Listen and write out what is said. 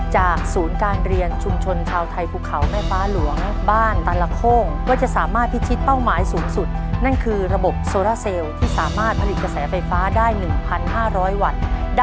จากศูนย์การเรียนชุมชนชาวไทย